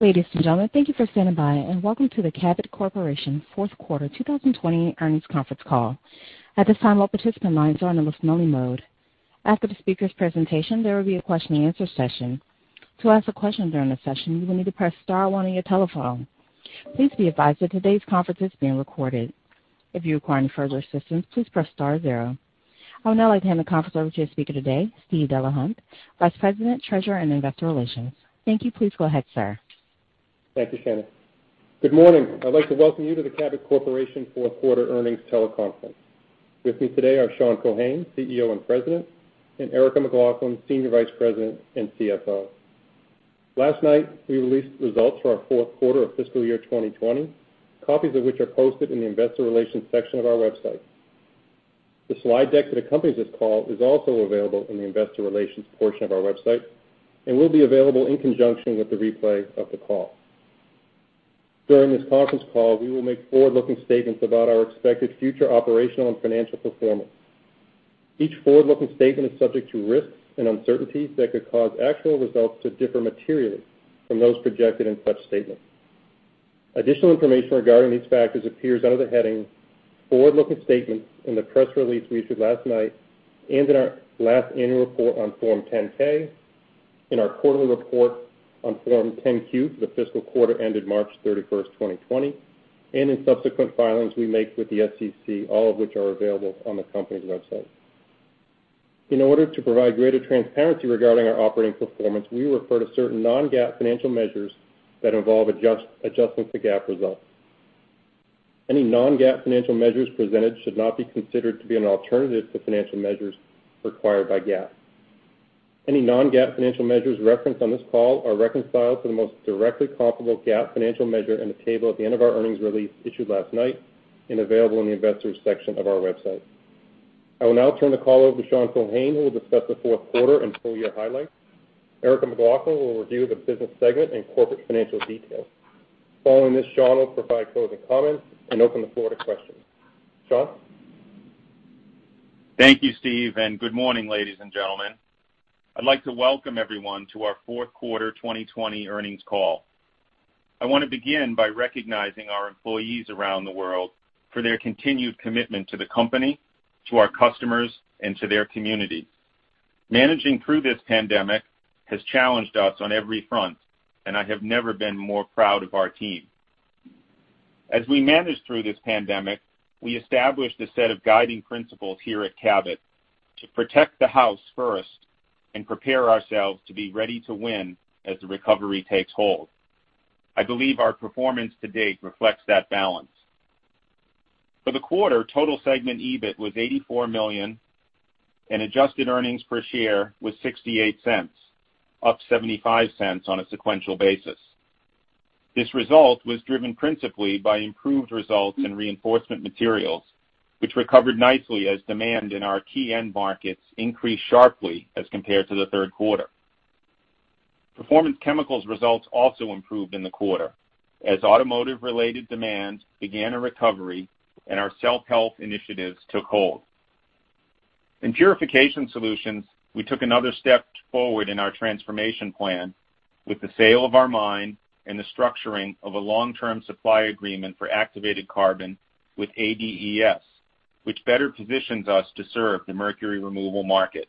Ladies and gentlemen, thank you for standing by, and welcome to the Cabot Corporation Fourth Quarter 2020 Earnings Conference Call. At this time, all participant lines are in a listen-only mode. After the speakers' presentation, there will be a question-and-answer session. To ask a question during the session, you will need to press star one on your telephone. Please be advised that today's conference is being recorded. If you require any further assistance, please press star zero. I would now like to hand the conference over to your speaker today, Steve Delahunt, Vice President, Treasurer, and Investor Relations. Thank you. Please go ahead, sir. Thank you, Shannon. Good morning. I'd like to welcome you to the Cabot Corporation Fourth Quarter Earnings Teleconference. With me today are Sean Keohane, CEO and President, and Erica McLaughlin, Senior Vice President and CFO. Last night, we released results for our fourth quarter of fiscal year 2020, copies of which are posted in the investor relations section of our website. The slide deck that accompanies this call is also available in the investor relations portion of our website and will be available in conjunction with the replay of the call. During this conference call, we will make forward-looking statements about our expected future operational and financial performance. Each forward-looking statement is subject to risks and uncertainties that could cause actual results to differ materially from those projected in such statements. Additional information regarding these factors appears under the heading Forward-Looking Statements in the press release we issued last night and in our last annual report on Form 10-K, in our quarterly report on Form 10-Q for the fiscal quarter ended March 31st, 2020, and in subsequent filings we make with the SEC, all of which are available on the company's website. In order to provide greater transparency regarding our operating performance, we refer to certain non-GAAP financial measures that involve adjustments to GAAP results. Any non-GAAP financial measures presented should not be considered to be an alternative to financial measures required by GAAP. Any non-GAAP financial measures referenced on this call are reconciled to the most directly comparable GAAP financial measure in the table at the end of our earnings release issued last night and available in the investors section of our website. I will now turn the call over to Sean Keohane, who will discuss the fourth quarter and full-year highlights. Erica McLaughlin will review the business segment and corporate financial details. Following this, Sean will provide closing comments and open the floor to questions. Sean? Thank you, Steve. Good morning, ladies and gentlemen. I'd like to welcome everyone to our Fourth Quarter 2020 Earnings Call. I want to begin by recognizing our employees around the world for their continued commitment to the company, to our customers, and to their communities. Managing through this pandemic has challenged us on every front. I have never been more proud of our team. As we managed through this pandemic, we established a set of guiding principles here at Cabot to protect the house first and prepare ourselves to be ready to win as the recovery takes hold. I believe our performance to date reflects that balance. For the quarter, total segment EBIT was $84 million. Adjusted earnings per share was $0.68, up $0.75 on a sequential basis. This result was driven principally by improved results in Reinforcement Materials, which recovered nicely as demand in our key end markets increased sharply as compared to the third quarter. Performance Chemicals results also improved in the quarter as automotive-related demand began a recovery and our self-help initiatives took hold. In Purification Solutions, we took another step forward in our transformation plan with the sale of our mine and the structuring of a long-term supply agreement for activated carbon with ADES, which better positions us to serve the mercury removal market.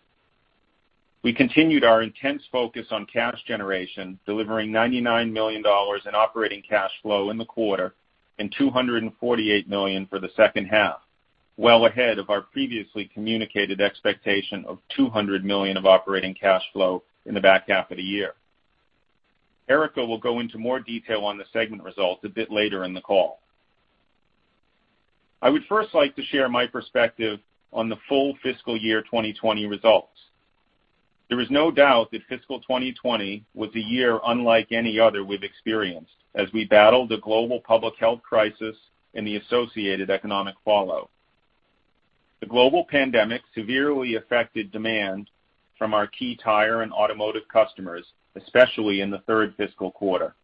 We continued our intense focus on cash generation, delivering $99 million in operating cash flow in the quarter and $248 million for the second half, well ahead of our previously communicated expectation of $200 million of operating cash flow in the back half of the year. Erica will go into more detail on the segment results a bit later in the call. I would first like to share my perspective on the full fiscal year 2020 results. There is no doubt that fiscal 2020 was a year unlike any other we've experienced as we battled the global public health crisis and the associated economic fallout. The global pandemic severely affected demand from our key tire and automotive customers, especially in the third fiscal quarter,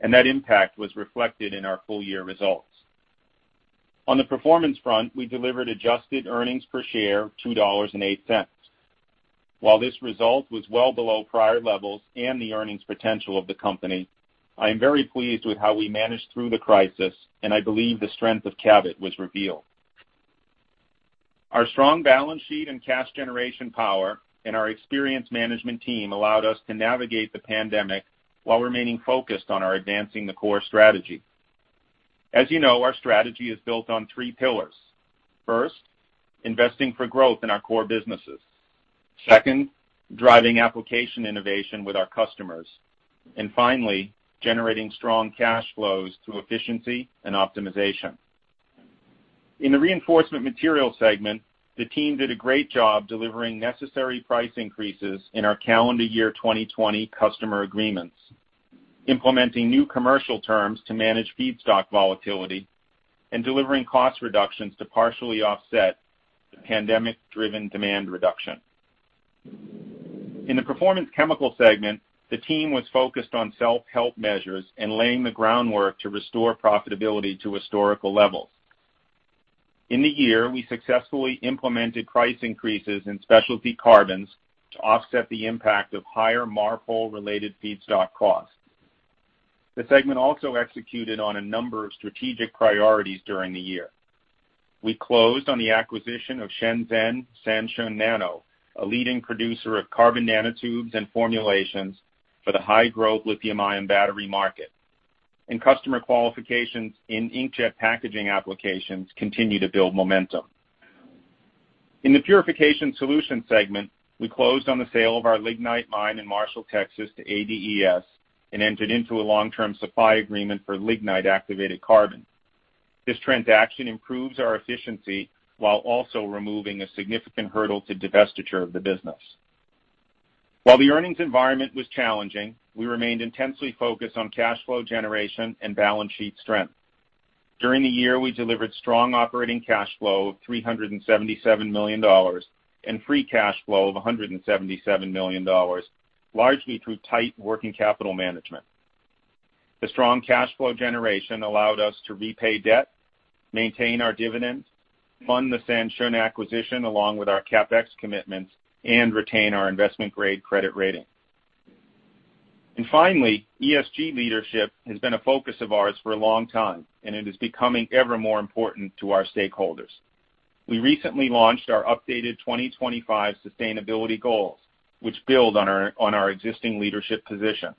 and that impact was reflected in our full-year results. On the performance front, we delivered adjusted earnings per share of $2.08. While this result was well below prior levels and the earnings potential of the company, I am very pleased with how we managed through the crisis, and I believe the strength of Cabot was revealed. Our strong balance sheet and cash generation power and our experienced management team allowed us to navigate the pandemic while remaining focused on our Advancing the Core strategy. As you know, our strategy is built on three pillars. First, investing for growth in our core businesses. Second, driving application innovation with our customers. Finally, generating strong cash flows through efficiency and optimization. In the Reinforcement Materials segment, the team did a great job delivering necessary price increases in our calendar year 2020 customer agreements, implementing new commercial terms to manage feedstock volatility, and delivering cost reductions to partially offset the pandemic-driven demand reduction. In the Performance Chemicals segment, the team was focused on self-help measures and laying the groundwork to restore profitability to historical levels. In the year, we successfully implemented price increases in Specialty Carbons to offset the impact of higher MARPOL-related feedstock costs. The segment also executed on a number of strategic priorities during the year. We closed on the acquisition of Shenzhen Sanshun Nano, a leading producer of carbon nanotubes and formulations for the high-growth lithium-ion battery market. Customer qualifications in Inkjet packaging applications continue to build momentum. In the Purification Solutions segment, we closed on the sale of our lignite mine in Marshall, Texas, to ADES and entered into a long-term supply agreement for lignite-activated carbon. This transaction improves our efficiency while also removing a significant hurdle to divestiture of the business. While the earnings environment was challenging, we remained intensely focused on cash flow generation and balance sheet strength. During the year, we delivered strong operating cash flow of $377 million and free cash flow of $177 million, largely through tight working capital management. The strong cash flow generation allowed us to repay debt, maintain our dividend, fund the Sanshun acquisition along with our CapEx commitments, and retain our investment-grade credit rating. Finally, ESG leadership has been a focus of ours for a long time, and it is becoming ever more important to our stakeholders. We recently launched our updated 2025 sustainability goals, which build on our existing leadership position.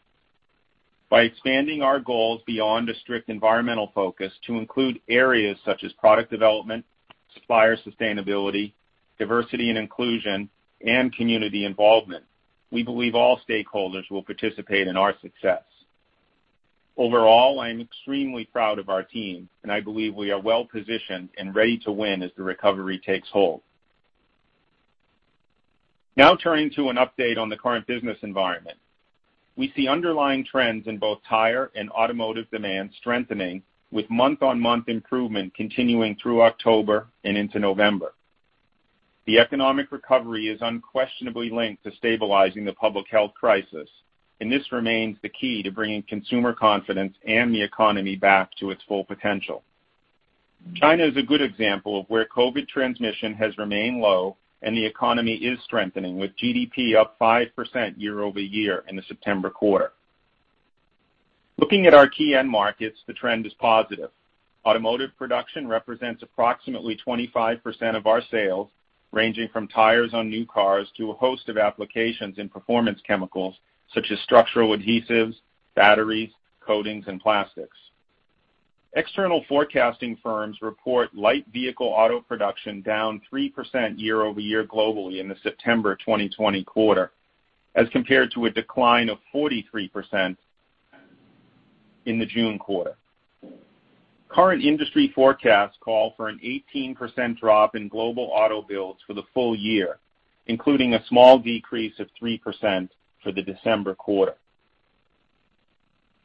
By expanding our goals beyond a strict environmental focus to include areas such as product development, supplier sustainability, diversity and inclusion, and community involvement, we believe all stakeholders will participate in our success. Overall, I am extremely proud of our team, and I believe we are well-positioned and ready to win as the recovery takes hold. Turning to an update on the current business environment. We see underlying trends in both tire and automotive demand strengthening with month-on-month improvement continuing through October and into November. The economic recovery is unquestionably linked to stabilizing the public health crisis, and this remains the key to bringing consumer confidence and the economy back to its full potential. China is a good example of where COVID transmission has remained low and the economy is strengthening, with GDP up 5% year-over-year in the September quarter. Looking at our key end markets, the trend is positive. Automotive production represents approximately 25% of our sales, ranging from tires on new cars to a host of applications in Performance Chemicals such as structural adhesives, batteries, coatings, and plastics. External forecasting firms report light vehicle auto production down 3% year-over-year globally in the September 2020 quarter, as compared to a decline of 43% in the June quarter. Current industry forecasts call for an 18% drop in global auto builds for the full-year, including a small decrease of 3% for the December quarter.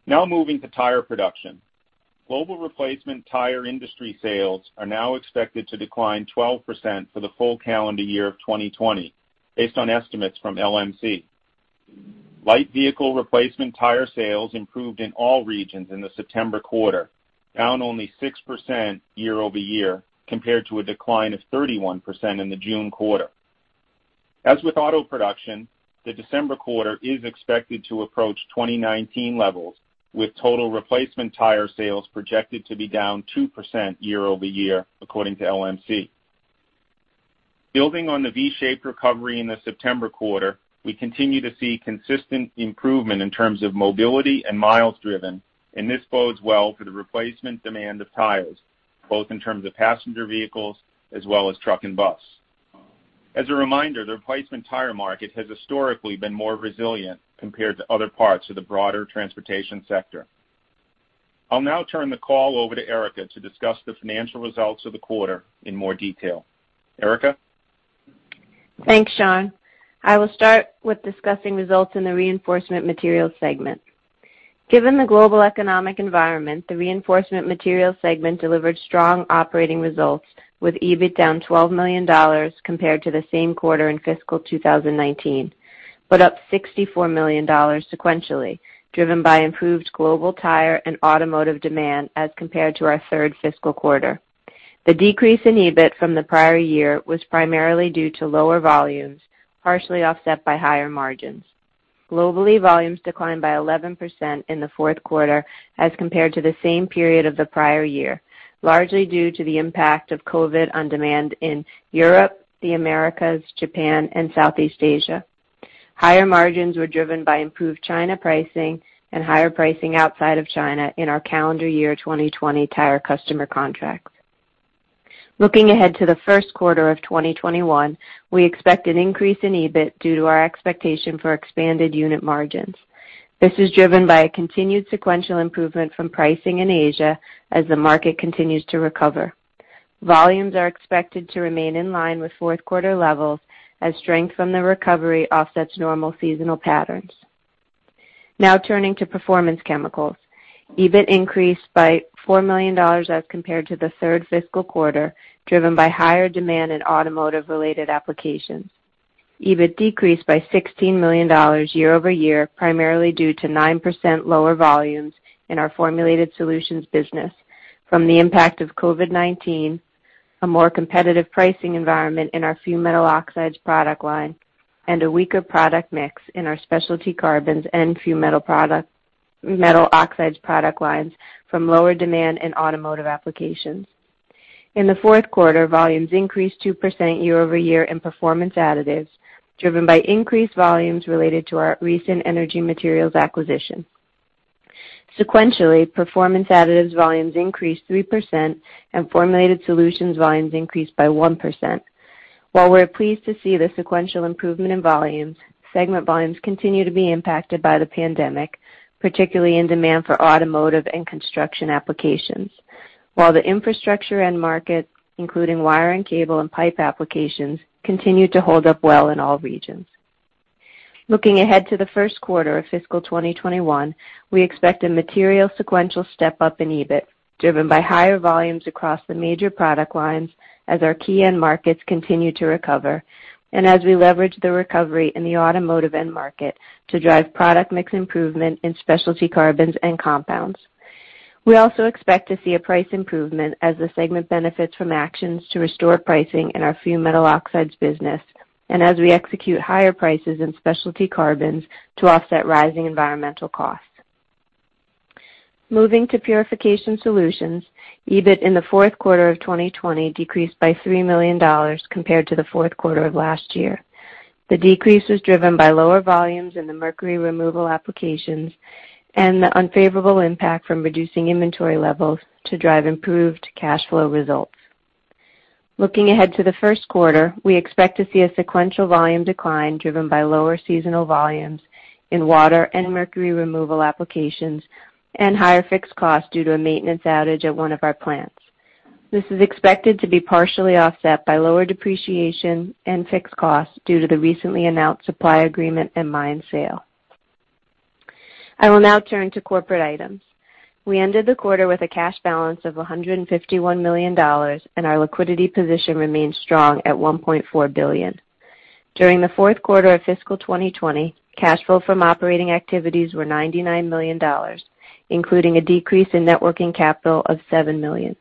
Now moving to tire production. Global replacement tire industry sales are now expected to decline 12% for the full calendar year of 2020, based on estimates from LMC. Light vehicle replacement tire sales improved in all regions in the September quarter, down only 6% year-over-year, compared to a decline of 31% in the June quarter. As with auto production, the December quarter is expected to approach 2019 levels, with total replacement tire sales projected to be down 2% year-over-year, according to LMC. Building on the V-shaped recovery in the September quarter, we continue to see consistent improvement in terms of mobility and miles driven. This bodes well for the replacement demand of tires, both in terms of passenger vehicles as well as truck and bus. As a reminder, the replacement tire market has historically been more resilient compared to other parts of the broader transportation sector. I'll now turn the call over to Erica to discuss the financial results of the quarter in more detail. Erica? Thanks, Sean. I will start with discussing results in the Reinforcement Materials segment. Given the global economic environment, the Reinforcement Materials segment delivered strong operating results, with EBIT down $12 million compared to the same quarter in fiscal 2019, but up $64 million sequentially, driven by improved global tire and automotive demand as compared to our third fiscal quarter. The decrease in EBIT from the prior year was primarily due to lower volumes, partially offset by higher margins. Globally, volumes declined by 11% in the fourth quarter as compared to the same period of the prior-year, largely due to the impact of COVID on demand in Europe, the Americas, Japan, and Southeast Asia. Higher margins were driven by improved China pricing and higher pricing outside of China in our calendar year 2020 tire customer contracts. Looking ahead to the first quarter of 2021, we expect an increase in EBIT due to our expectation for expanded unit margins. This is driven by a continued sequential improvement from pricing in Asia as the market continues to recover. Volumes are expected to remain in line with fourth quarter levels as strength from the recovery offsets normal seasonal patterns. Now turning to Performance Chemicals. EBIT increased by $4 million as compared to the third fiscal quarter, driven by higher demand in automotive-related applications. EBIT decreased by $16 million year-over-year, primarily due to 9% lower volumes in our Formulated Solutions business from the impact of COVID-19, a more competitive pricing environment in our Fumed Metal Oxides product line, and a weaker product mix in our Specialty Carbons and Fumed Metal Oxides product lines from lower demand in automotive applications. In the fourth quarter, volumes increased 2% year-over-year in Performance Additives, driven by increased volumes related to our recent Energy Materials acquisition. Sequentially, Performance Additives volumes increased 3%, and Formulated Solutions volumes increased by 1%. While we're pleased to see the sequential improvement in volumes, segment volumes continue to be impacted by the pandemic, particularly in demand for automotive and construction applications. While the infrastructure end market, including wire and cable and pipe applications, continued to hold up well in all regions. Looking ahead to the first quarter of fiscal 2021, we expect a material sequential step-up in EBIT, driven by higher volumes across the major product lines as our key end markets continue to recover, and as we leverage the recovery in the automotive end market to drive product mix improvement in Specialty Carbons and Compounds. We also expect to see a price improvement as the segment benefits from actions to restore pricing in our Fumed Metal Oxides business and as we execute higher prices in Specialty Carbons to offset rising environmental costs. Moving to Purification Solutions, EBIT in the fourth quarter of 2020 decreased by $3 million compared to the fourth quarter of last year. The decrease was driven by lower volumes in the mercury removal applications and the unfavorable impact from reducing inventory levels to drive improved cash flow results. Looking ahead to the first quarter, we expect to see a sequential volume decline driven by lower seasonal volumes in water and mercury removal applications and higher fixed costs due to a maintenance outage at one of our plants. This is expected to be partially offset by lower depreciation and fixed costs due to the recently announced supply agreement and mine sale. I will now turn to corporate items. We ended the quarter with a cash balance of $151 million, and our liquidity position remains strong at $1.4 billion. During the fourth quarter of fiscal 2020, cash flow from operating activities were $99 million, including a decrease in net working capital of $7 million.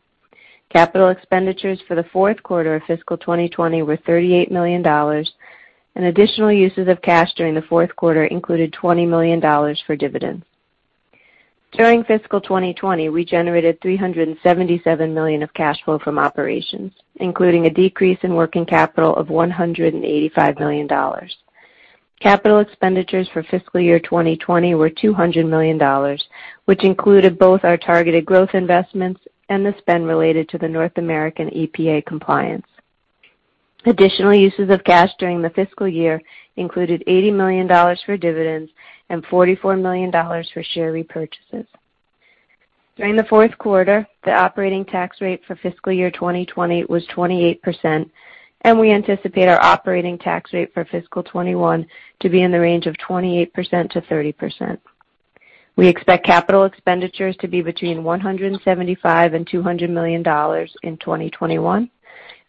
Capital expenditures for the fourth quarter of fiscal 2020 were $38 million, and additional uses of cash during the fourth quarter included $20 million for dividends. During fiscal 2020, we generated $377 million of cash flow from operations, including a decrease in working capital of $185 million. Capital expenditures for fiscal year 2020 were $200 million, which included both our targeted growth investments and the spend related to the North American EPA compliance. Additional uses of cash during the fiscal year included $80 million for dividends and $44 million for share repurchases. During the fourth quarter, the operating tax-rate for fiscal year 2020 was 28%, and we anticipate our operating tax-rate for fiscal 2021 to be in the range of 28%-30%. We expect capital expenditures to be between $175 million and $200 million in 2021,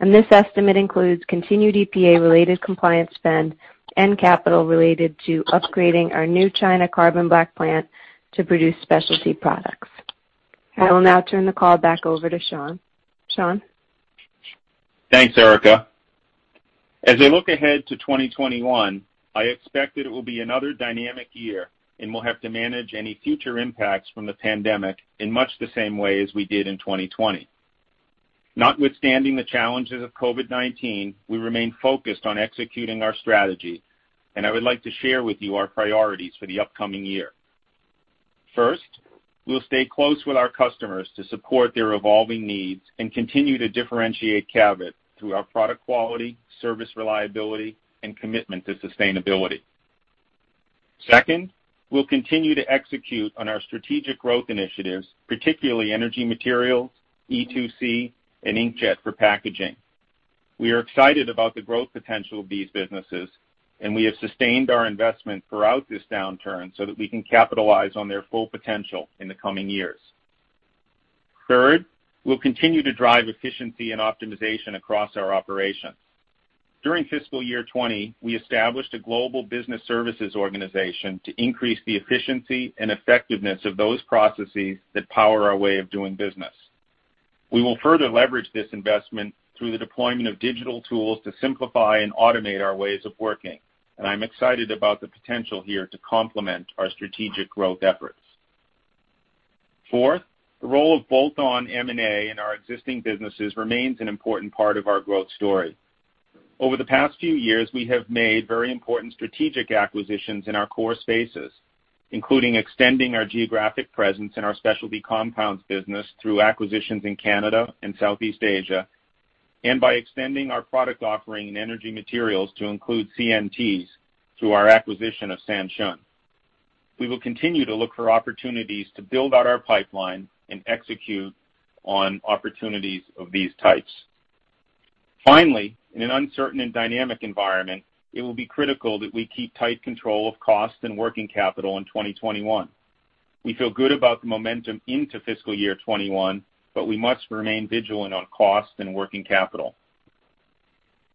and this estimate includes continued EPA-related compliance spend and capital related to upgrading our new China carbon black plant to produce specialty products. I will now turn the call back over to Sean. Sean? Thanks, Erica. As I look ahead to 2021, I expect that it will be another dynamic year, and we'll have to manage any future impacts from the pandemic in much the same way as we did in 2020. Notwithstanding the challenges of COVID-19, we remain focused on executing our strategy, and I would like to share with you our priorities for the upcoming year. First, we'll stay close with our customers to support their evolving needs and continue to differentiate Cabot through our product quality, service reliability, and commitment to sustainability. Second, we'll continue to execute on our strategic growth initiatives, particularly Energy Materials, E2C, and Inkjet for packaging. We are excited about the growth potential of these businesses, and we have sustained our investment throughout this downturn so that we can capitalize on their full potential in the coming years. Third, we'll continue to drive efficiency and optimization across our operations. During fiscal year 2020, we established a global business services organization to increase the efficiency and effectiveness of those processes that power our way of doing business. We will further leverage this investment through the deployment of digital tools to simplify and automate our ways of working, and I'm excited about the potential here to complement our strategic growth efforts. Fourth, the role of bolt-on M&A in our existing businesses remains an important part of our growth story. Over the past few years, we have made very important strategic acquisitions in our core spaces, including extending our geographic presence in our Specialty Compounds business through acquisitions in Canada and Southeast Asia, and by extending our product offering in Energy Materials to include CNTs through our acquisition of Sanshun. We will continue to look for opportunities to build out our pipeline and execute on opportunities of these types. Finally, in an uncertain and dynamic environment, it will be critical that we keep tight control of cost and working capital in 2021. We feel good about the momentum into fiscal year 2021, but we must remain vigilant on cost and working capital.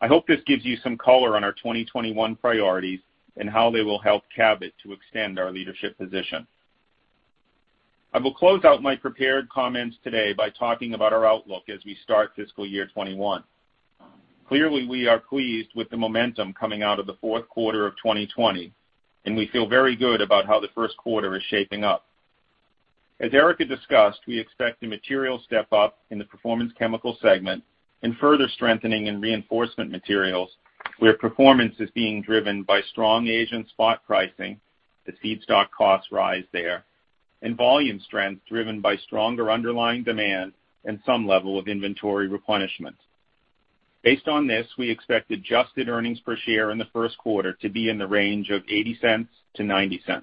I hope this gives you some color on our 2021 priorities and how they will help Cabot to extend our leadership position. I will close out my prepared comments today by talking about our outlook as we start fiscal year 2021. Clearly, we are pleased with the momentum coming out of the fourth quarter of 2020, and we feel very good about how the first quarter is shaping up. As Erica discussed, we expect a material step up in the Performance Chemicals segment and further strengthening in Reinforcement Materials, where performance is being driven by strong Asian spot pricing, the feedstock costs rise there, and volume strength driven by stronger underlying demand and some level of inventory replenishment. Based on this, we expect adjusted earnings per share in the first quarter to be in the range of $0.80-$0.90.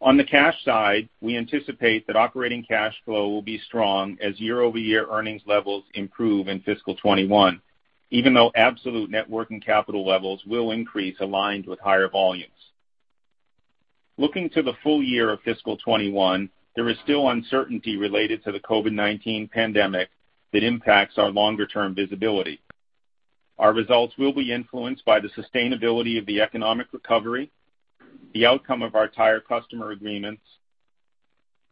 On the cash side, we anticipate that operating cash flow will be strong as year-over-year earnings levels improve in fiscal 2021, even though absolute net working capital levels will increase aligned with higher volumes. Looking to the full-year of fiscal 2021, there is still uncertainty related to the COVID-19 pandemic that impacts our longer-term visibility. Our results will be influenced by the sustainability of the economic recovery, the outcome of our tire customer agreements,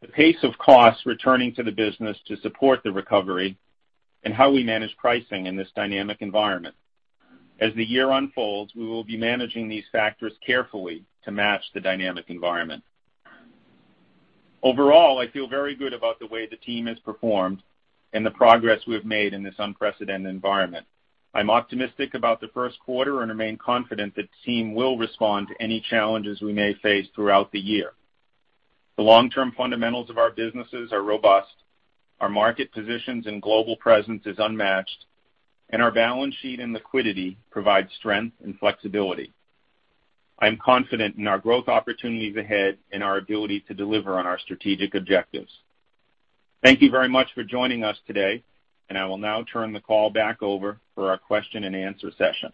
the pace of costs returning to the business to support the recovery, and how we manage pricing in this dynamic environment. As the year unfolds, we will be managing these factors carefully to match the dynamic environment. Overall, I feel very good about the way the team has performed and the progress we have made in this unprecedented environment. I'm optimistic about the first quarter and remain confident that the team will respond to any challenges we may face throughout the year. The long-term fundamentals of our businesses are robust. Our market positions and global presence is unmatched, and our balance sheet and liquidity provide strength and flexibility. I am confident in our growth opportunities ahead and our ability to deliver on our strategic objectives. Thank you very much for joining us today. I will now turn the call back over for our question and answer session.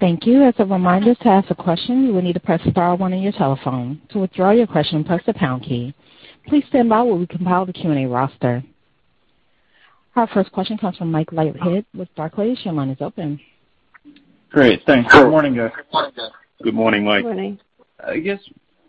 Thank you. As a reminder, to ask a question, you will need to press star one on your telephone. To withdraw your question, press the pound key. Please stand by while we compile the Q&A roster. Our first question comes from Mike Leithead with Barclays. Your line is open. Great. Thanks. Good morning, guys. Good morning, Mike. Good morning. I guess,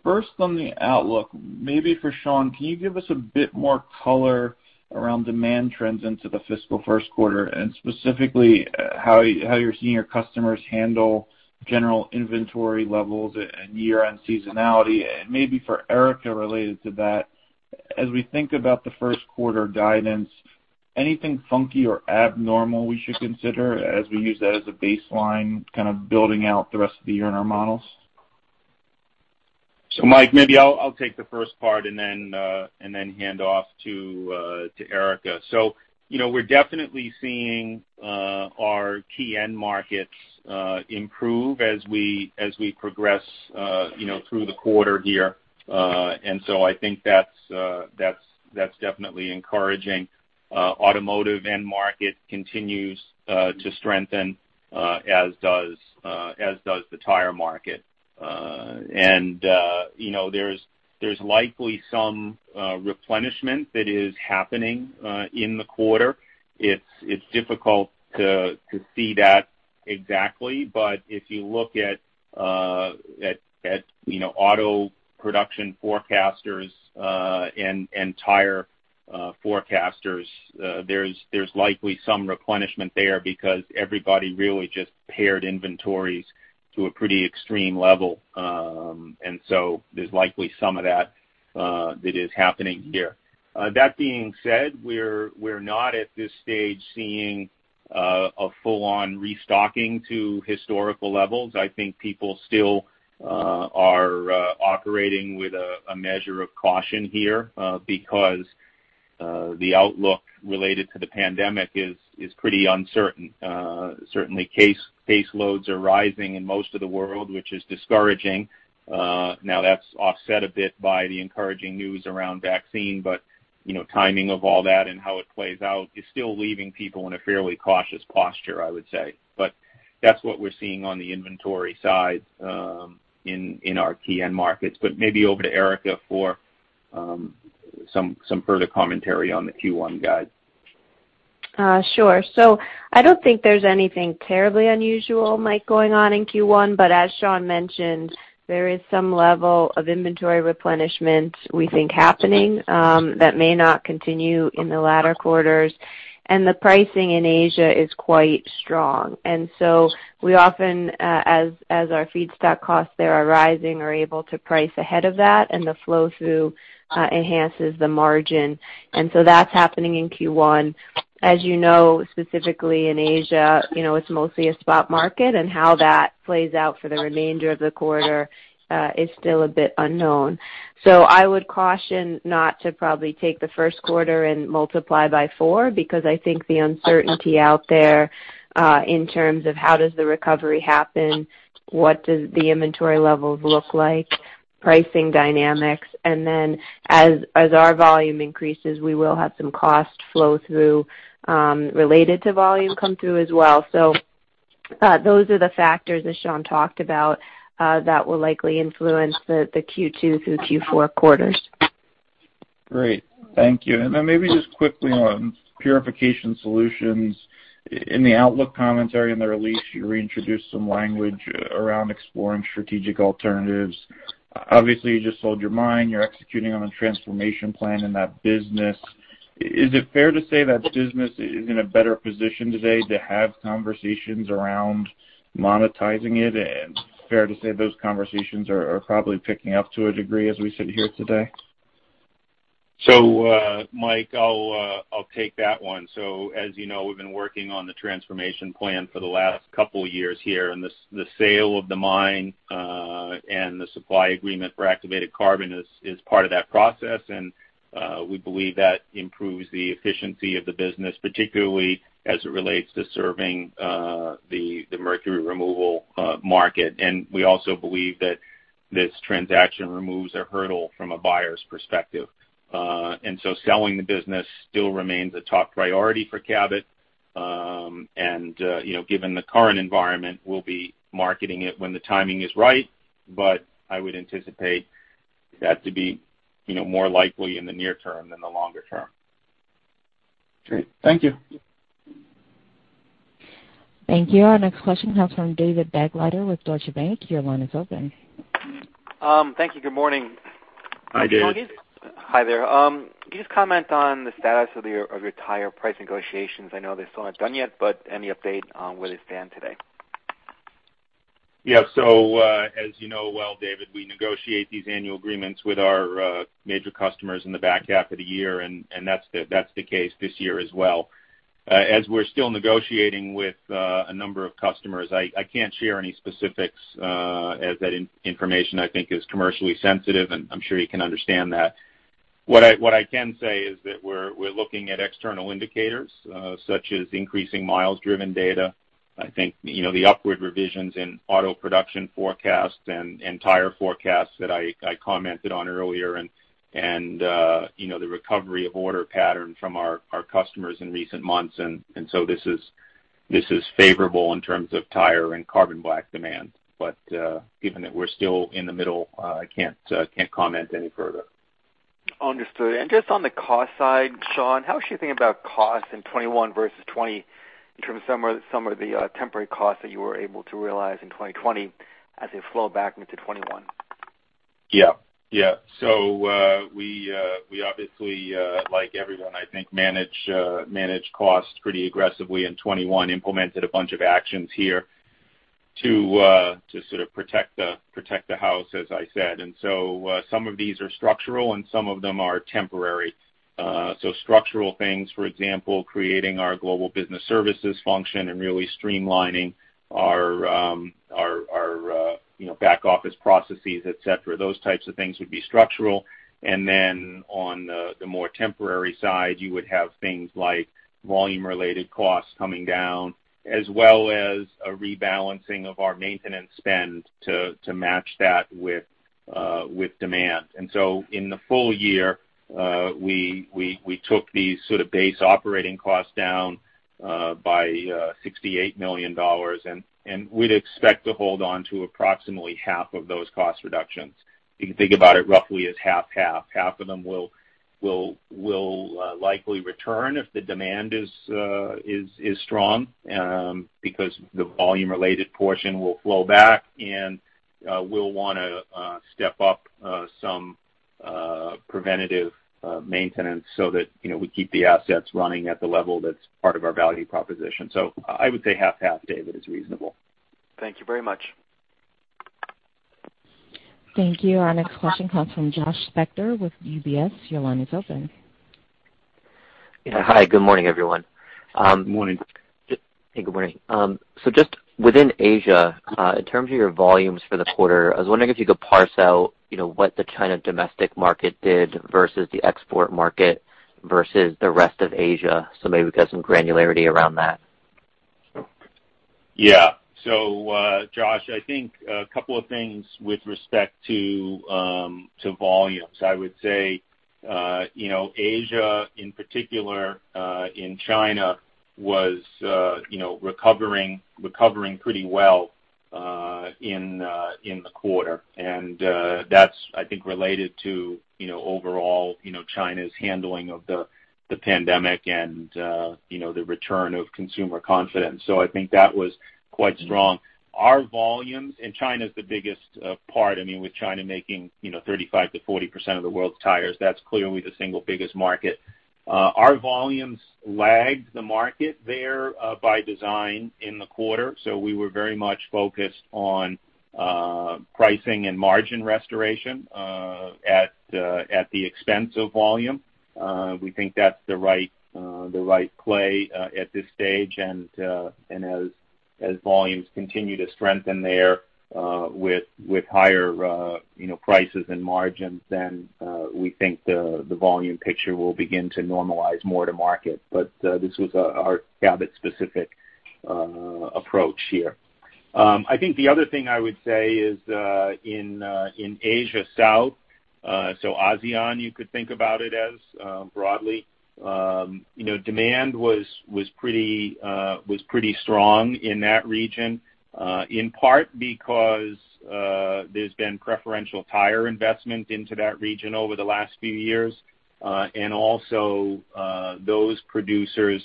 first on the outlook, maybe for Sean, can you give us a bit more color around demand trends into the fiscal first quarter, and specifically how you're seeing your customers handle general inventory levels and year-end seasonality? Maybe for Erica, related to that, as we think about the first quarter guidance, anything funky or abnormal we should consider as we use that as a baseline, kind of building out the rest of the year in our models? Mike, maybe I'll take the first part and then hand off to Erica. We're definitely seeing our key end markets improve as we progress through the quarter here. I think that's definitely encouraging. Automotive end market continues to strengthen, as does the tire market. There's likely some replenishment that is happening in the quarter. It's difficult to see that exactly, but if you look at auto production forecasters and tire forecasters, there's likely some replenishment there because everybody really just paired inventories to a pretty extreme level. There's likely some of that that is happening here. That being said, we're not at this stage seeing a full-on restocking to historical levels. I think people still are operating with a measure of caution here because the outlook related to the pandemic is pretty uncertain. Certainly caseloads are rising in most of the world, which is discouraging. Now that's offset a bit by the encouraging news around vaccine, but timing of all that and how it plays out is still leaving people in a fairly cautious posture, I would say. That's what we're seeing on the inventory side in our key end markets. Maybe over to Erica for some further commentary on the Q1 guide. Sure. I don't think there's anything terribly unusual, Mike, going on in Q1, but as Sean mentioned, there is some level of inventory replenishment we think happening that may not continue in the latter quarters, and the pricing in Asia is quite strong. We often, as our feedstock costs there are rising, are able to price ahead of that, and the flow-through enhances the margin. That's happening in Q1. As you know, specifically in Asia, it's mostly a spot market, and how that plays out for the remainder of the quarter is still a bit unknown. I would caution not to probably take the first quarter and multiply by four, because I think the uncertainty out there in terms of how does the recovery happen, what does the inventory levels look like, pricing dynamics, and then as our volume increases, we will have some cost flow-through related to volume come through as well. Those are the factors, as Sean talked about, that will likely influence the Q2 through Q4 quarters. Great. Thank you. Maybe just quickly on Purification Solutions. In the outlook commentary in the release, you reintroduced some language around exploring strategic alternatives. Obviously, you just sold your mine. You're executing on a transformation plan in that business. Is it fair to say that business is in a better position today to have conversations around monetizing it? Fair to say those conversations are probably picking up to a degree as we sit here today? Mike, I'll take that one. As you know, we've been working on the transformation plan for the last couple years here, and the sale of the mine, and the supply agreement for activated carbon is part of that process. We believe that improves the efficiency of the business, particularly as it relates to serving the mercury removal market. We also believe that this transaction removes a hurdle from a buyer's perspective. Selling the business still remains a top priority for Cabot. Given the current environment, we'll be marketing it when the timing is right, but I would anticipate that to be more likely in the near-term than the longer-term. Great. Thank you. Thank you. Our next question comes from David Begleiter with Deutsche Bank. Your line is open. Thank you. Good morning. Hi, David. Hi there. Can you just comment on the status of your tire price negotiations? I know they're still not done yet, but any update on where they stand today? Yeah. As you know well, David, we negotiate these annual agreements with our major customers in the back half of the year, and that's the case this year as well. As we're still negotiating with a number of customers, I can't share any specifics, as that information, I think, is commercially sensitive, and I'm sure you can understand that. What I can say is that we're looking at external indicators, such as increasing miles-driven data. I think the upward revisions in auto production forecasts and tire forecasts that I commented on earlier and the recovery of order pattern from our customers in recent months, this is favorable in terms of tire and carbon black demand. Given that we're still in the middle, I can't comment any further. Understood. Just on the cost side, Sean, how should you think about costs in 2021 versus 2020 in terms of some of the temporary costs that you were able to realize in 2020 as they flow back into 2021? Yeah. We obviously, like everyone, I think, managed costs pretty aggressively in 2021, implemented a bunch of actions here to sort of protect the house, as I said. Some of these are structural, and some of them are temporary. Structural things, for example, creating our global business services function and really streamlining our back-office processes, et cetera. Those types of things would be structural. On the more temporary side, you would have things like volume-related costs coming down, as well as a rebalancing of our maintenance spend to match that with demand. In the full-year, we took these sort of base operating costs down by $68 million. We'd expect to hold on to approximately half of those cost reductions. You can think about it roughly as 50/50. Half of them will likely return if the demand is strong, because the volume-related portion will flow back, and we'll want to step up some preventative maintenance so that we keep the assets running at the level that's part of our value proposition. I would say 50/50, David, is reasonable. Thank you very much. Thank you. Our next question comes from Josh Spector with UBS. Your line is open. Yeah. Hi, good morning, everyone. Good morning. Hey, good morning. Just within Asia, in terms of your volumes for the quarter, I was wondering if you could parse out what the China domestic market did versus the export market versus the rest of Asia. Maybe we get some granularity around that. Yeah. Josh, I think a couple of things with respect to volumes. I would say Asia, in particular, in China, was recovering pretty well in the quarter. That's, I think, related to overall China's handling of the pandemic and the return of consumer confidence. I think that was quite strong. Our volumes. China's the biggest part. With China making 35%-40% of the world's tires, that's clearly the single biggest market. Our volumes lagged the market there by design in the quarter. We were very much focused on pricing and margin restoration at the expense of volume. We think that's the right play at this stage. As volumes continue to strengthen there, with higher prices and margins, then we think the volume picture will begin to normalize more to market. This was our Cabot-specific approach here. I think the other thing I would say is, in Asia South, so ASEAN, you could think about it as broadly. Demand was pretty strong in that region, in part because there's been preferential tire investment into that region over the last few years. Those producers,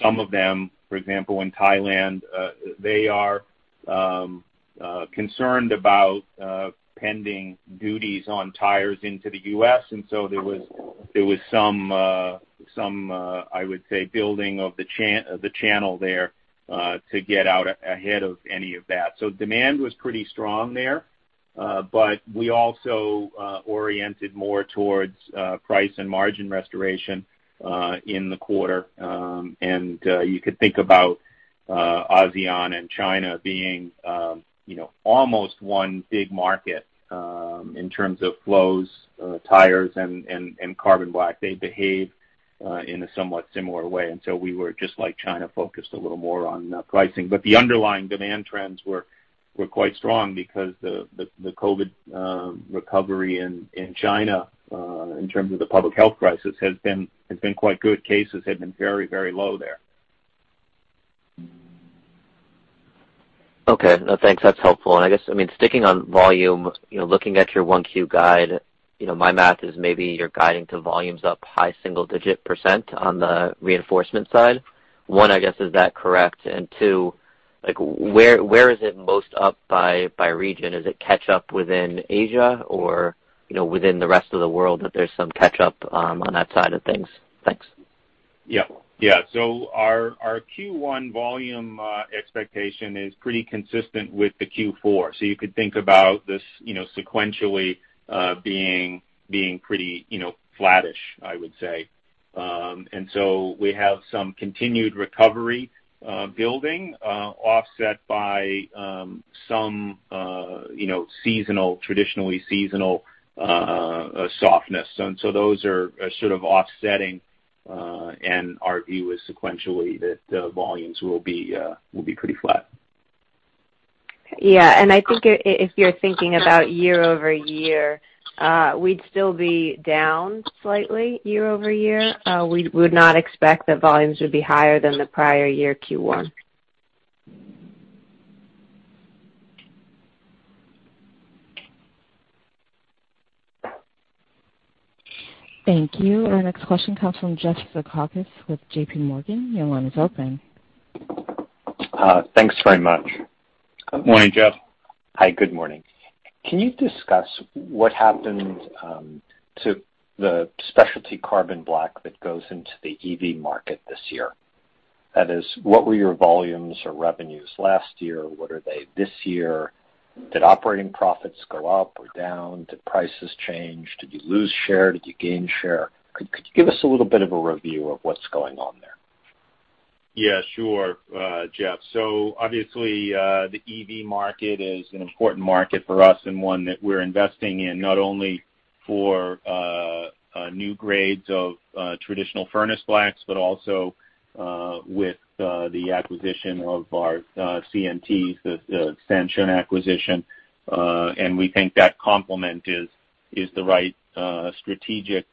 some of them, for example, in Thailand, they are concerned about pending duties on tires into the U.S., there was some, I would say, building of the channel there to get out ahead of any of that. Demand was pretty strong there. We also oriented more towards price and margin restoration in the quarter. You could think about ASEAN and China being almost one big market in terms of flows, tires, and carbon black. They behave in a somewhat similar way. We were just like China, focused a little more on pricing. The underlying demand trends were quite strong because the COVID recovery in China, in terms of the public health crisis, has been quite good. Cases have been very low there. Okay. No, thanks. That's helpful. I guess, sticking on volume, looking at your 1Q guide, my math is maybe you're guiding to volumes up high-single-digit percentage on the Reinforcement Materials side. One, I guess, is that correct? Two, where is it most up by region? Is it catch-up within Asia or within the rest of the world that there's some catch-up on that side of things? Thanks. Yeah. Our Q1 volume expectation is pretty consistent with the Q4. You could think about this sequentially being pretty flattish, I would say. We have some continued recovery building offset by some traditionally seasonal softness. Those are sort of offsetting. Our view is sequentially that the volumes will be pretty flat. Yeah. I think if you're thinking about year-over-year, we'd still be down slightly year-over-year. We would not expect that volumes would be higher than the prior-year Q1. Thank you. Our next question comes from Jeff Zekauskas with JPMorgan. Your line is open. Thanks very much. Good morning, Jeff. Hi, good morning. Can you discuss what happened to the specialty carbon black that goes into the EV market this year? That is, what were your volumes or revenues last year? What are they this year? Did operating profits go up or down? Did prices change? Did you lose share? Did you gain share? Could you give us a little bit of a review of what's going on there? Yeah, sure, Jeff. Obviously, the EV market is an important market for us and one that we're investing in, not only for new grades of traditional furnace blacks, but also with the acquisition of our CNTs, the Sanshun acquisition. We think that complement is the right strategic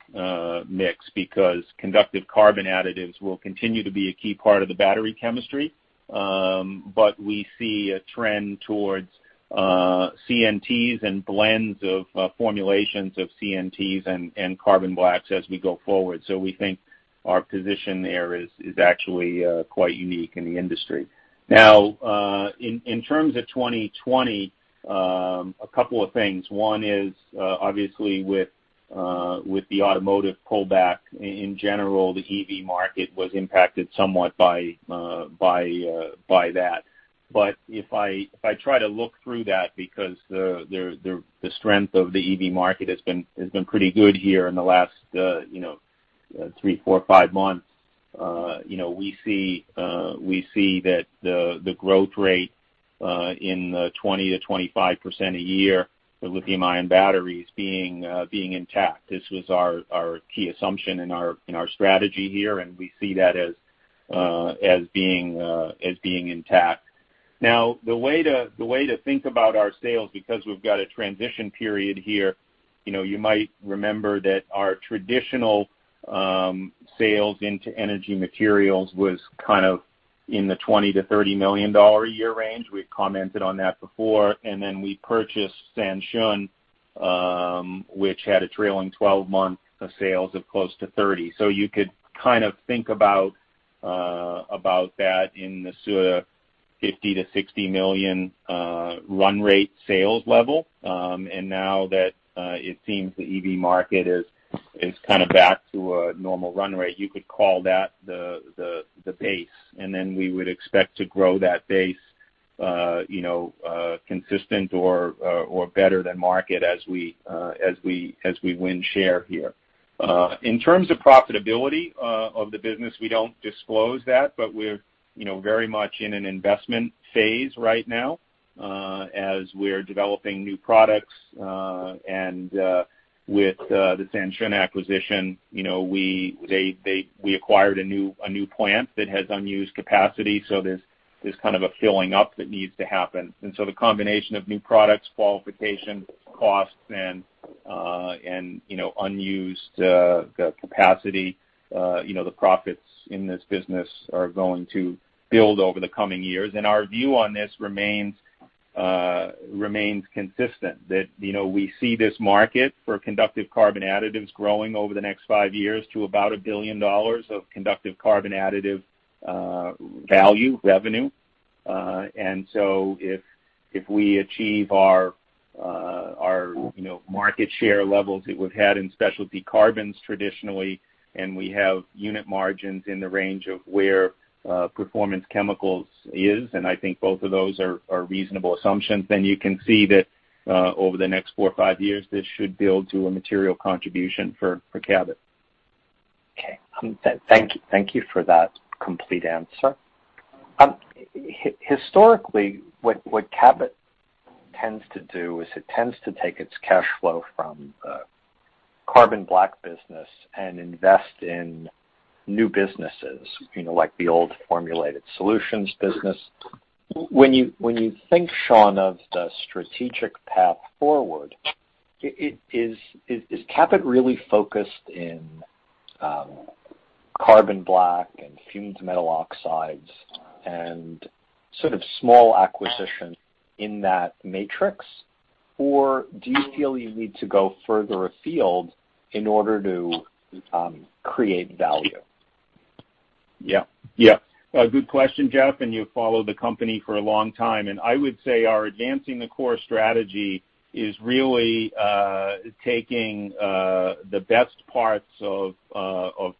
mix because conductive carbon additives will continue to be a key part of the battery chemistry. We see a trend towards CNTs and blends of formulations of CNTs and carbon blacks as we go forward. We think our position there is actually quite unique in the industry. Now, in terms of 2020, a couple of things. One is obviously with the automotive pullback in general, the EV market was impacted somewhat by that. If I try to look through that, because the strength of the EV market has been pretty good here in the last three, four, five months. We see that the growth rate in the 20%-25% a year for lithium-ion batteries being intact. This was our key assumption in our strategy here, we see that as being intact. The way to think about our sales, because we've got a transition period here, you might remember that our traditional sales into Energy Materials was kind of in the $20 million-$30 million a year range. We've commented on that before. We purchased Sanshun, which had a trailing 12 months of sales of close to $30 million. You could kind of think about that in the sort of $50 million-$60 million run-rate sales level. Now that it seems the EV market is kind of back to a normal run-rate, you could call that the base. Then we would expect to grow that base consistent or better than market as we win share here. In terms of profitability of the business, we don't disclose that, but we're very much in an investment phase right now as we're developing new products. With the Sanshun acquisition, we acquired a new plant that has unused capacity. There's kind of a filling up that needs to happen. The combination of new products, qualification, costs, and unused capacity, the profits in this business are going to build over the coming years. Our view on this remains consistent, that we see this market for conductive carbon additives growing over the next five years to about $1 billion of conductive carbon additive value revenue. If we achieve our market share levels that we've had in Specialty Carbons traditionally, and we have unit margins in the range of where Performance Chemicals is, I think both of those are reasonable assumptions, you can see that over the next four or five years, this should build to a material contribution for Cabot. Okay. Thank you for that complete answer. Historically, what Cabot tends to do is it tends to take its cash flow from the Carbon Black business and invest in new businesses, like the old Formulated Solutions business. When you think, Sean, of the strategic path forward, is Cabot really focused in Carbon Black and Fumed Metal Oxides and sort of small acquisitions in that matrix, or do you feel you need to go further afield in order to create value? Yeah. Good question, Jeff. You've followed the company for a long time. I would say our advancing the core strategy is really taking the best parts of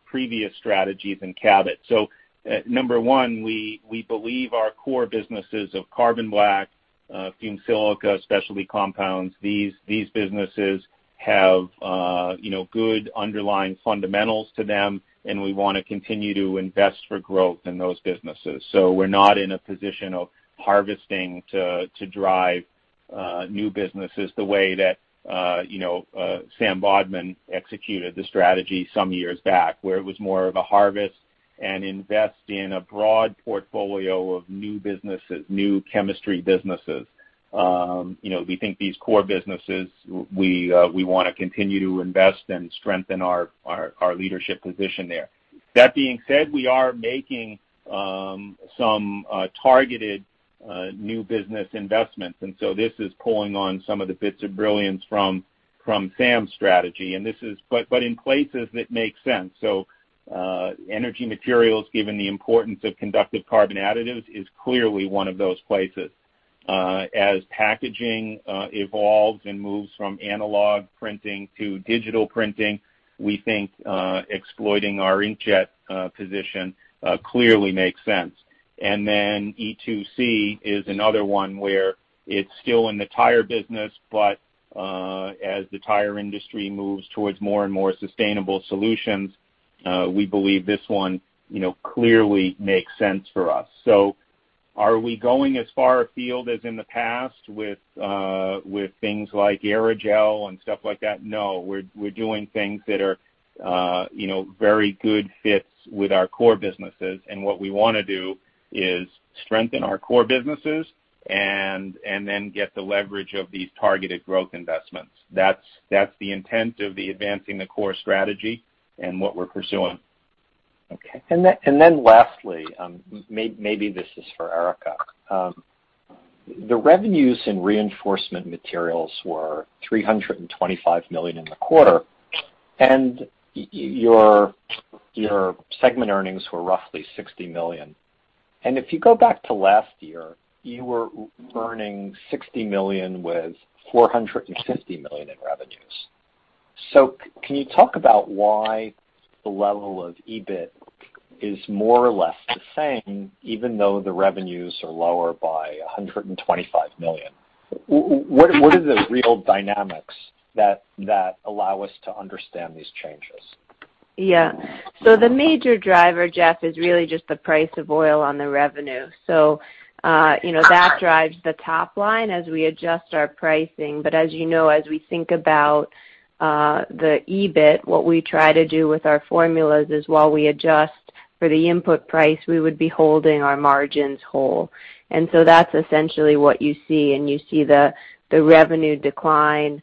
previous strategies in Cabot. Number one, we believe our core businesses of Carbon Black, fumed silica, Specialty Compounds, these businesses have good underlying fundamentals to them, and we want to continue to invest for growth in those businesses. We're not in a position of harvesting to drive new businesses the way that Sam Bodman executed the strategy some years back, where it was more of a harvest and invest in a broad portfolio of new businesses, new chemistry businesses. We think these core businesses, we want to continue to invest and strengthen our leadership position there. That being said, we are making some targeted new business investments, and so this is pulling on some of the bits of brilliance from Sam's strategy. In places that make sense. Energy Materials, given the importance of conductive carbon additives, is clearly one of those places. As packaging evolves and moves from analog printing to digital printing, we think exploiting our Inkjet position clearly makes sense. E2C is another one where it's still in the tire business, but as the tire industry moves towards more and more sustainable solutions, we believe this one clearly makes sense for us. Are we going as far afield as in the past with things like Aerogel and stuff like that? No. We're doing things that are very good fits with our core businesses. What we want to do is strengthen our core businesses and then get the leverage of these targeted growth investments. That's the intent of the Advancing the Core strategy and what we're pursuing. Okay. Lastly, maybe this is for Erica. The revenues in Reinforcement Materials were $325 million in the quarter. Your segment earnings were roughly $60 million. If you go back to last year, you were earning $60 million with $460 million in revenues. Can you talk about why the level of EBIT is more or less the same, even though the revenues are lower by $125 million? What are the real dynamics that allow us to understand these changes? Yeah. The major driver, Jeff, is really just the price of oil on the revenue. That drives the top-line as we adjust our pricing. As you know, as we think about the EBIT, what we try to do with our formulas is while we adjust for the input price, we would be holding our margins whole. That's essentially what you see, and you see the revenue decline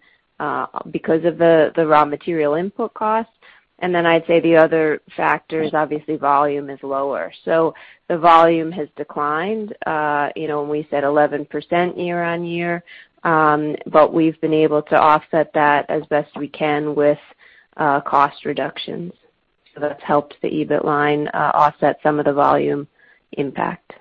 because of the raw material input costs. I'd say the other factor is obviously volume is lower. The volume has declined. We said 11% year-over-year, but we've been able to offset that as best we can with cost reductions. That's helped the EBIT line offset some of the volume impact.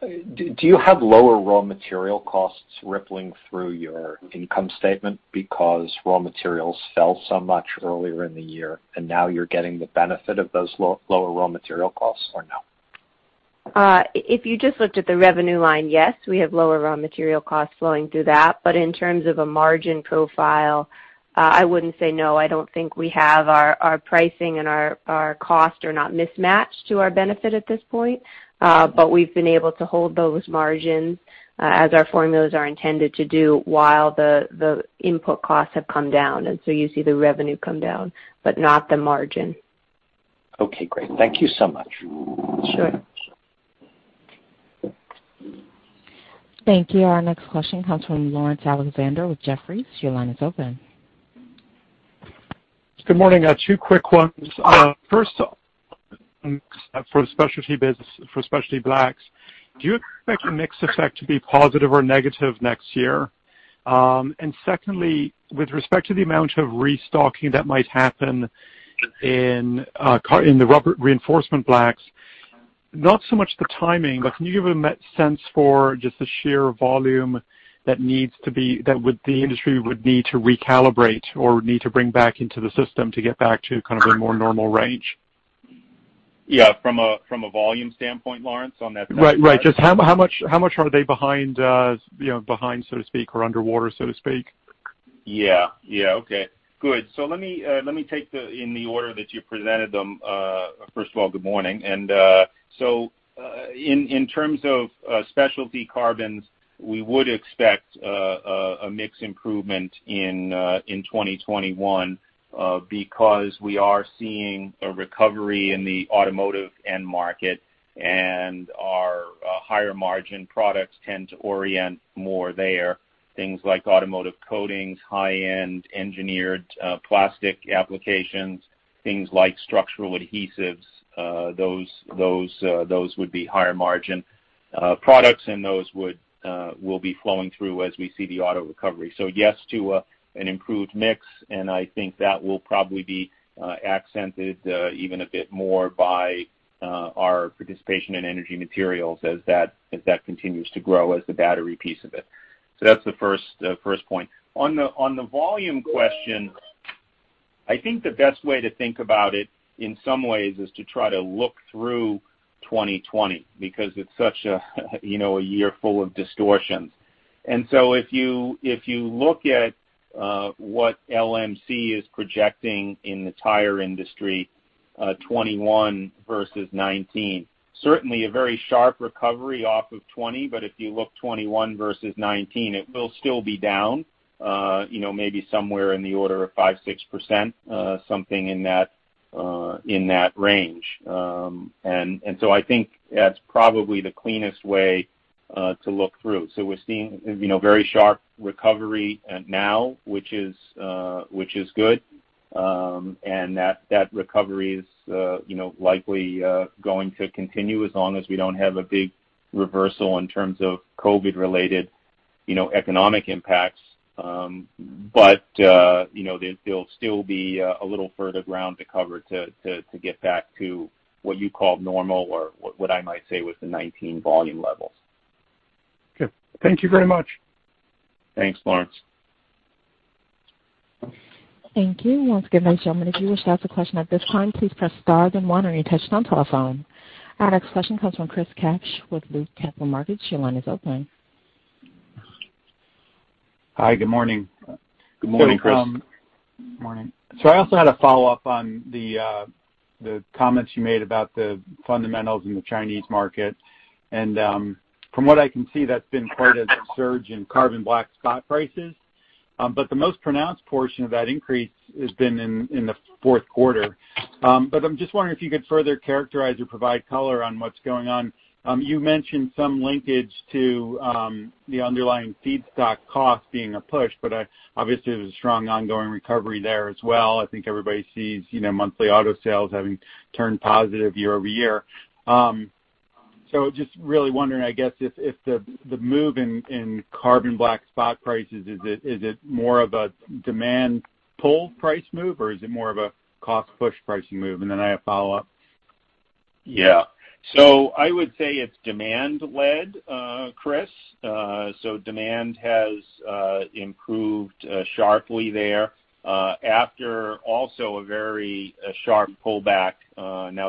Do you have lower raw material costs rippling through your income statement because raw materials fell so much earlier in the year, and now you're getting the benefit of those lower raw material costs, or no? If you just looked at the revenue line, yes, we have lower raw material costs flowing through that. In terms of a margin profile, I wouldn't say no. I don't think we have our pricing and our cost are not mismatched to our benefit at this point. We've been able to hold those margins as our formulas are intended to do while the input costs have come down. You see the revenue come down, but not the margin. Okay, great. Thank you so much. Sure. Thank you. Our next question comes from Laurence Alexander with Jefferies. Your line is open. Good morning. Two quick ones. First, for the Specialty Carbons business, for Specialty Black, do you expect the mix effect to be positive or negative next year? Secondly, with respect to the amount of restocking that might happen in the rubber reinforcement blacks, not so much the timing, but can you give a sense for just the sheer volume that the industry would need to recalibrate or need to bring back into the system to get back to kind of a more normal range? Yeah. From a volume standpoint, Laurence. Right. Just how much are they behind, so to speak, or underwater, so to speak? Yeah. Okay, good. Let me take them in the order that you presented them. First of all, good morning. In terms of Specialty Carbons, we would expect a mix improvement in 2021 because we are seeing a recovery in the automotive end market, and our higher margin products tend to orient more there. Things like automotive coatings, high-end engineered plastic applications, things like structural adhesives. Those would be higher margin products, and those will be flowing through as we see the auto recovery. Yes to an improved mix, and I think that will probably be accented even a bit more by our participation in Energy Materials as that continues to grow as the battery piece of it. That's the first point. On the volume question, I think the best way to think about it in some ways is to try to look through 2020, because it's such a year full of distortions. If you look at what LMC is projecting in the tire industry, 2021 versus 2019, certainly a very sharp recovery off of 2020. If you look 2021 versus 2019, it will still be down maybe somewhere in the order of 5%-6%, something in that range. I think that's probably the cleanest way to look through. We're seeing very sharp recovery now, which is good. That recovery is likely going to continue as long as we don't have a big reversal in terms of COVID-related economic impacts. There'll still be a little further ground to cover to get back to what you call normal or what I might say was the 2019 volume levels. Okay. Thank you very much. Thanks, Laurence. Thank you. Once again, ladies and gentlemen, if you wish to ask a question at this time, please press star then one on your touchtone telephone. Our next question comes from Chris Kapsch with Loop Capital Markets. Your line is open. Hi, good morning. Good morning, Chris. Morning. I also had a follow-up on the comments you made about the fundamentals in the Chinese market. From what I can see, that's been part of the surge in carbon black spot prices. The most pronounced portion of that increase has been in the fourth quarter. I'm just wondering if you could further characterize or provide color on what's going on. You mentioned some linkage to the underlying feedstock cost being a push, but obviously, there's a strong ongoing recovery there as well. I think everybody sees monthly auto sales having turned positive year-over-year. Just really wondering, I guess, if the move in carbon black spot prices, is it more of a demand pull price move, or is it more of a cost push pricing move? Then I have follow-up. Yeah. I would say it's demand-led, Chris. Demand has improved sharply there after also a very sharp pullback.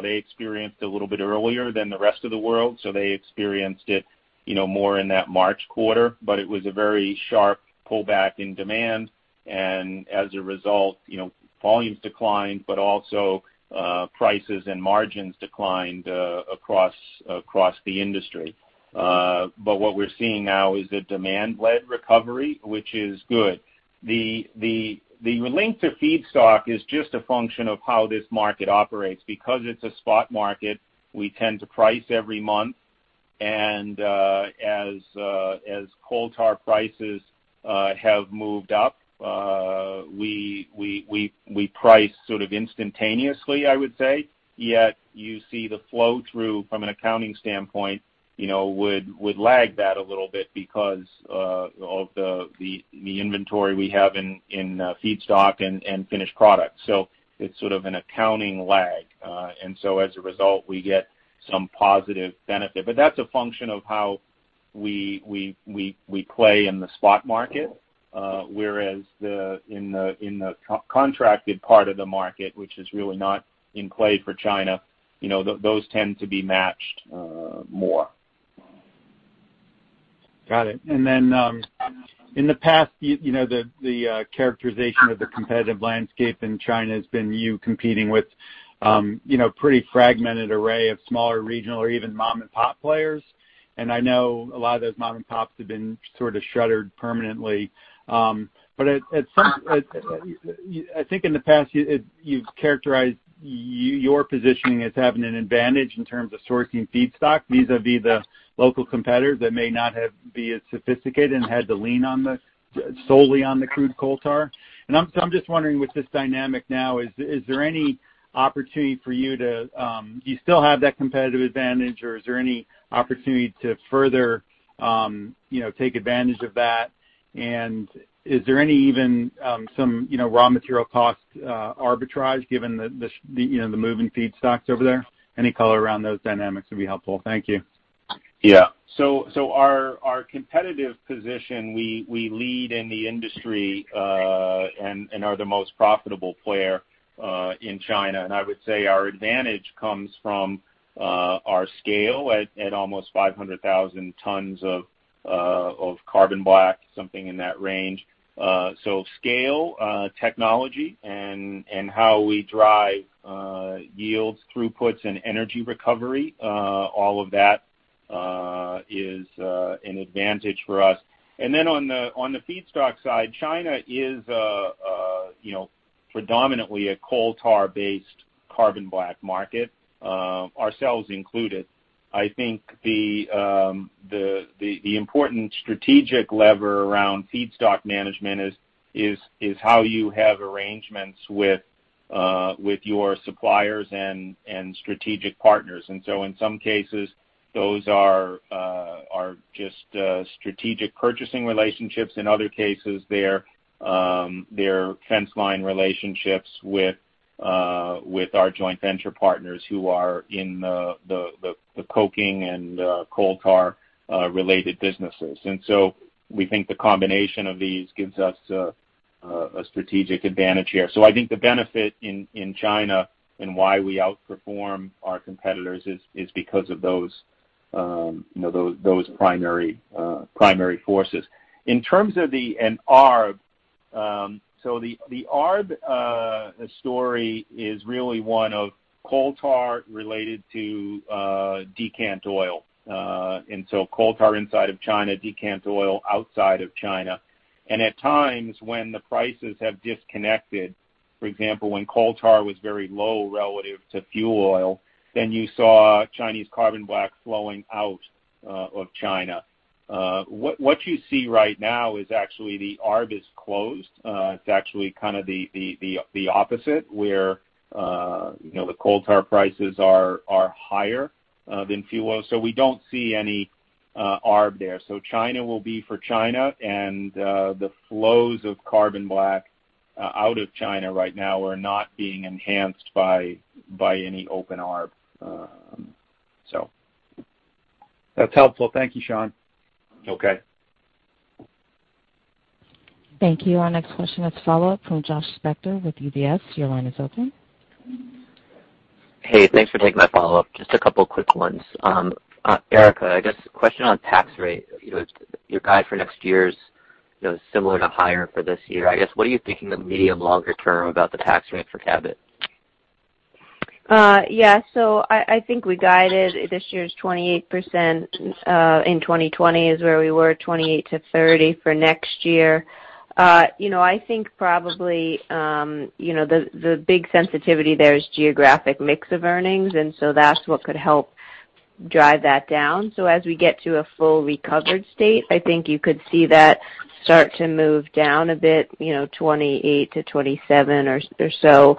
They experienced a little bit earlier than the rest of the world, they experienced it more in that March quarter. It was a very sharp pullback in demand, as a result, volumes declined, also prices and margins declined across the industry. What we're seeing now is a demand-led recovery, which is good. The link to feedstock is just a function of how this market operates. It's a spot market, we tend to price every month. As coal tar prices have moved up, we price sort of instantaneously, I would say. You see the flow-through from an accounting standpoint would lag that a little bit because of the inventory we have in feedstock and finished product. It's sort of an accounting lag. As a result, we get some positive benefit. That's a function of how we play in the spot market. Whereas in the contracted part of the market, which is really not in play for China, those tend to be matched more. Got it. In the past, the characterization of the competitive landscape in China has been you competing with pretty fragmented array of smaller regional or even mom-and-pop players. I know a lot of those mom-and-pops have been sort of shuttered permanently. I think in the past, you've characterized your positioning as having an advantage in terms of sourcing feedstock vis-à-vis the local competitors that may not be as sophisticated and had to lean solely on the crude coal tar. I'm just wondering with this dynamic now, do you still have that competitive advantage, or is there any opportunity to further take advantage of that? Is there even some raw material cost arbitrage given the moving feedstocks over there? Any color around those dynamics would be helpful. Thank you. Our competitive position, we lead in the industry, and are the most profitable player in China. I would say our advantage comes from our scale at almost 500,000 tons of carbon black, something in that range. Scale, technology, and how we drive yields, throughputs, and energy recovery, all of that is an advantage for us. On the feedstock side, China is predominantly a coal tar-based carbon black market, ourselves included. I think the important strategic lever around feedstock management is how you have arrangements with your suppliers and strategic partners. In some cases, those are just strategic purchasing relationships. In other cases, they're fence line relationships with our joint venture partners who are in the coking and the coal tar related businesses. We think the combination of these gives us a strategic advantage here. I think the benefit in China and why we outperform our competitors is because of those primary forces. In terms of an arb, the arb story is really one of coal tar related to decant oil. Coal tar inside of China, decant oil outside of China. At times when the prices have disconnected, for example, when coal tar was very low relative to fuel oil, then you saw Chinese carbon black flowing out of China. What you see right now is actually the arb is closed. It's actually kind of the opposite, where the coal tar prices are higher than fuel oil. We don't see any arb there. China will be for China, and the flows of carbon black out of China right now are not being enhanced by any open arb. That's helpful. Thank you, Sean. Okay. Thank you. Our next question is a follow-up from Josh Spector with UBS. Your line is open. Hey, thanks for taking my follow-up. Just a couple of quick ones. Erica, I guess the question on tax-rate, your guide for next year is similar to higher for this year. I guess, what are you thinking of medium longer-term about the tax-rate for Cabot? Yeah. I think we guided this year's 28%, in 2020 is where we were, 28%-30% for next year. I think probably the big sensitivity there is geographic mix of earnings, that's what could help drive that down. As we get to a full recovered state, I think you could see that start to move down a bit, 28%-27% or so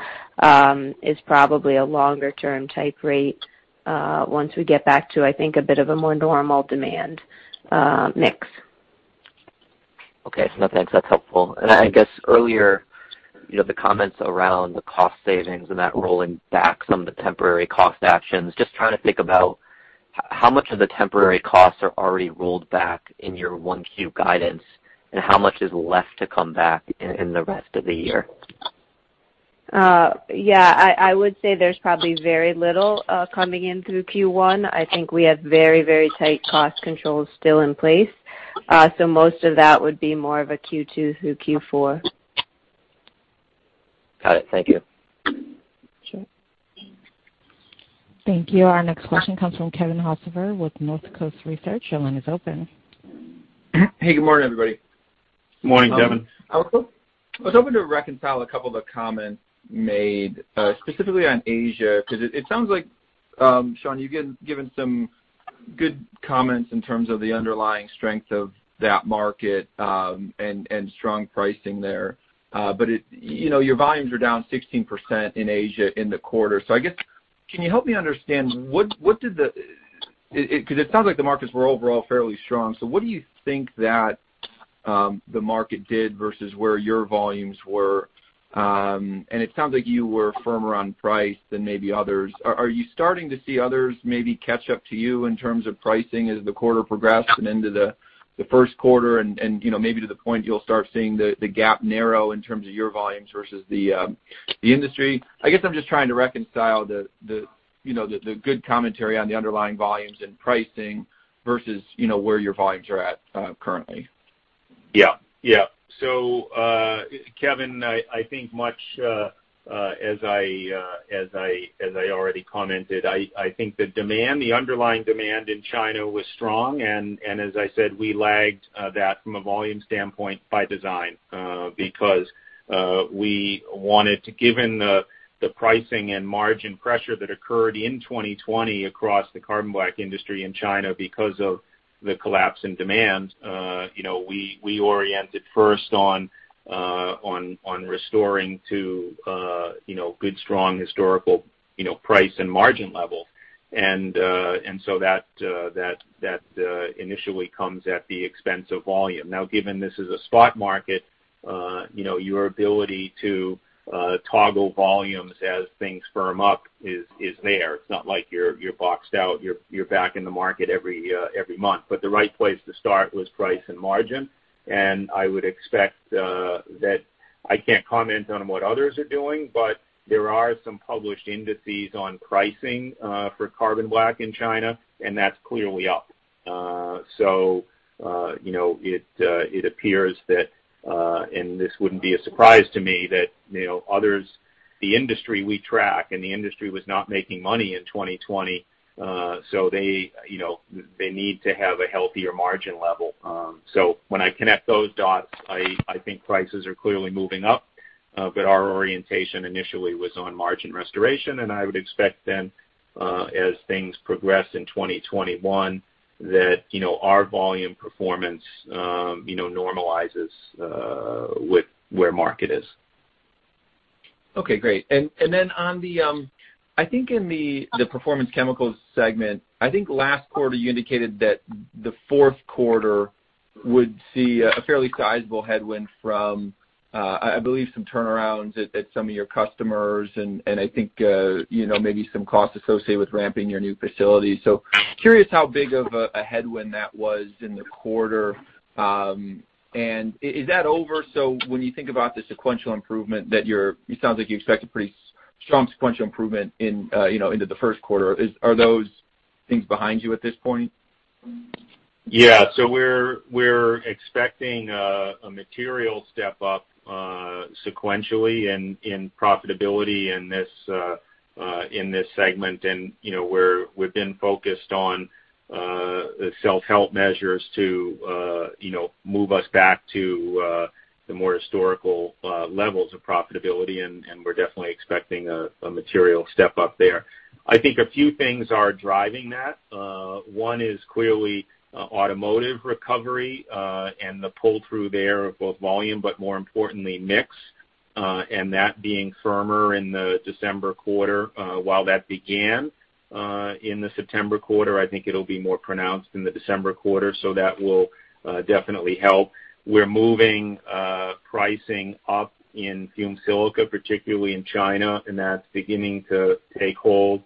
is probably a longer-term type rate once we get back to, I think, a bit of a more normal demand mix. Okay. No, thanks. That's helpful. I guess earlier, the comments around the cost savings and that rolling back some of the temporary cost actions, just trying to think about how much of the temporary costs are already rolled back in your 1Q guidance, and how much is left to come back in the rest of the year? Yeah. I would say there's probably very little coming in through Q1. I think we have very tight cost controls still in place. Most of that would be more of a Q2 through Q4. Got it. Thank you. Sure. Thank you. Our next question comes from Kevin Hocevar with Northcoast Research. Your line is open. Hey, good morning, everybody. Morning, Kevin. I was hoping to reconcile a couple of the comments made, specifically on Asia, because it sounds like, Sean, you've given some good comments in terms of the underlying strength of that market, and strong pricing there. Your volumes are down 16% in Asia in the quarter. I guess, can you help me understand, because it sounds like the markets were overall fairly strong, so what do you think that the market did versus where your volumes were? It sounds like you were firmer on price than maybe others. Are you starting to see others maybe catch up to you in terms of pricing as the quarter progressed and into the first quarter and maybe to the point you'll start seeing the gap narrow in terms of your volumes versus the industry? I guess I'm just trying to reconcile the good commentary on the underlying volumes and pricing versus where your volumes are at currently. Yeah. Kevin, I think much as I already commented, I think the underlying demand in China was strong, and as I said, we lagged that from a volume standpoint by design, because we wanted to, given the pricing and margin pressure that occurred in 2020 across the carbon black industry in China because of the collapse in demand, we oriented first on restoring to good, strong historical price and margin level. That initially comes at the expense of volume. Now, given this is a spot market, your ability to toggle volumes as things firm up is there. It's not like you're boxed out. You're back in the market every month. The right place to start was price and margin. I would expect that I can't comment on what others are doing, but there are some published indices on pricing for carbon black in China, and that's clearly up. It appears that, and this wouldn't be a surprise to me, that the industry we track and the industry was not making money in 2020, so they need to have a healthier margin level. When I connect those dots, I think prices are clearly moving up. Our orientation initially was on margin restoration, and I would expect then, as things progress in 2021, that our volume performance normalizes with where market is. Okay, great. I think in the Performance Chemicals segment, I think last quarter you indicated that the fourth quarter would see a fairly sizable headwind from, I believe, some turnarounds at some of your customers, and I think maybe some costs associated with ramping your new facility. Curious how big of a headwind that was in the quarter. Is that over? When you think about the sequential improvement, it sounds like you expect a pretty strong sequential improvement into the first quarter. Are those things behind you at this point? Yeah. We're expecting a material step-up sequentially in profitability in this segment, and we've been focused on self-help measures to move us back to the more historical levels of profitability. We're definitely expecting a material step-up there. I think a few things are driving that. One is clearly automotive recovery, and the pull-through there of both volume, but more importantly, mix, and that being firmer in the December quarter. While that began in the September quarter, I think it'll be more pronounced in the December quarter. That will definitely help. We're moving pricing up in fumed silica, particularly in China, and that's beginning to take hold.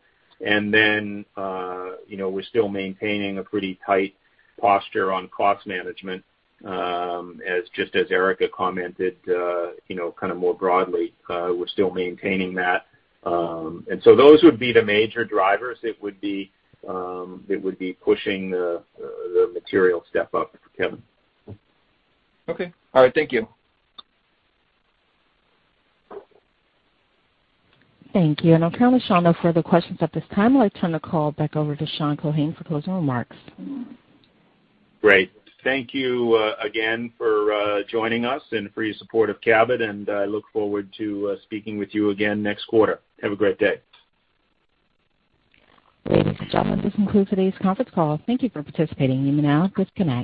We're still maintaining a pretty tight posture on cost management. Just as Erica commented kind of more broadly, we're still maintaining that. Those would be the major drivers that would be pushing the material step-up, Kevin. Okay. All right. Thank you. Thank you. I'm currently showing no further questions at this time. I'd like to turn the call back over to Sean Keohane for closing remarks. Great. Thank you again for joining us and for your support of Cabot, and I look forward to speaking with you again next quarter. Have a great day. Ladies and gentlemen, this concludes today's conference call. Thank you for participating. You may now disconnect.